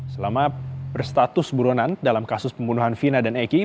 selama berstatus buronan dalam kasus pembunuhan vina dan eki